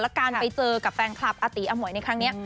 แล้วการไปเจอกับแฟนคลับอาตีอมวยในครั้งนี้